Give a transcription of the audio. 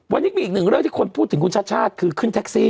วันนี้มีอีกหนึ่งเรื่องที่คนพูดถึงคุณชาติชาติคือขึ้นแท็กซี่